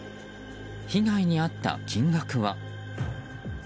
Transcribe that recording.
被害に遭った金額は。